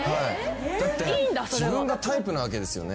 だって自分がタイプなわけですよね